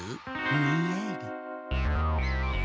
ニヤリ。